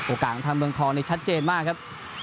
โอกาสทางเมืองทองชัดเจนมากครับ